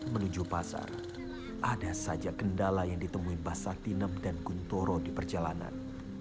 menuju pasar ada saja kendala yang ditemui mbah satinem dan guntoro di perjalanan